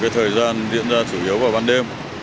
thời gian diễn ra chủ yếu vào ban đêm